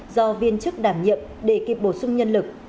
do viên chức đảm nhiệm để kịp bổ sung nhân lực